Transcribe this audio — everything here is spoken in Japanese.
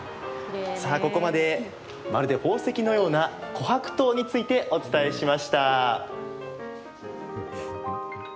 さあ、ここまでまるで宝石のようなこはく糖についてお伝えしました。